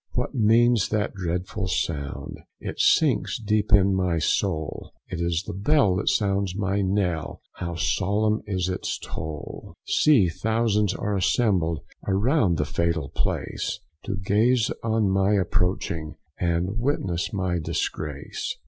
what means that dreadful sound? It sinks deep in my soul; It is the bell that sounds my knell, How solemn is the toll. See thousands are assembled Around the fatal place, To gaze on my approaching, And witness my disgrace.